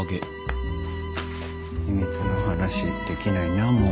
秘密の話できないなもう。